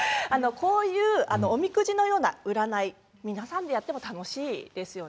こういうおみくじのような占い皆さんでやったら楽しいですよね。